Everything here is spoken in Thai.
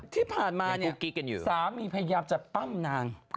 ที่ผ่านมาเนี่ยสามีพยายามจะปั้มนาง